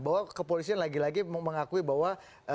bahwa kepolisian lagi lagi mengakui bahwa